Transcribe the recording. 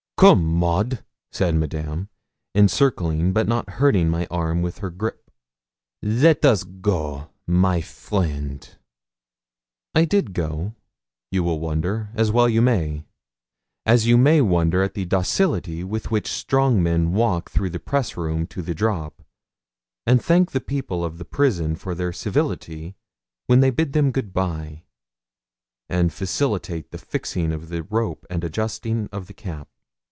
'Come, Maud,' said Madame, encircling but not hurting my arm with her grip; 'let us go, my friend.' I did go, you will wonder, as well you may as you may wonder at the docility with which strong men walk through the press room to the drop, and thank the people of the prison for their civility when they bid them good bye, and facilitate the fixing of the rope and adjusting of the cap.